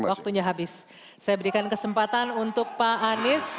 saya berikan kesempatan untuk pak anies